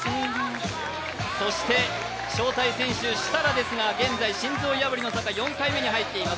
そして招待選手、設楽ですが現在、心臓破りの坂４回目に入っています。